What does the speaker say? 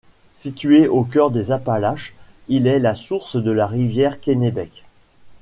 Situé au cœur des Appalaches, il est la source de la rivière Kennebec.